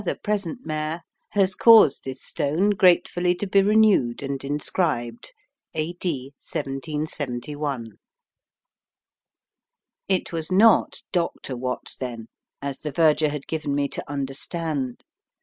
the present Mayor, has caused this stone, gratefully to be renewed, and inscribed, A.D. 1771. It was not Dr. Watts, then, as the verger had given me to understand.